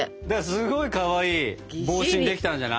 すごいかわいい帽子にできたんじゃない？